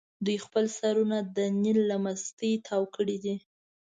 دوی خپل سرونه د نیل له مستۍ تاو کړي دي.